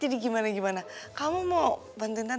jadi gimana gimana kamu mau bantuin tante kan